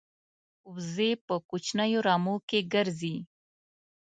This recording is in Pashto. وزې په کوچنیو رمو کې ګرځي